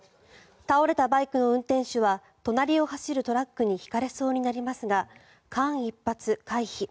倒れたバイクの運転手は隣を走るトラックにひかれそうになりますが間一髪、回避。